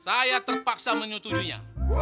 saya terpaksa menyutujinya